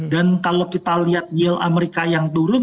dan kalau kita lihat yield amerika yang turun